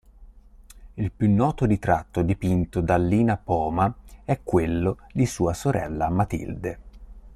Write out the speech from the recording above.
Il più noto ritratto dipinto da Lina Poma è quello di sua sorella Matilde.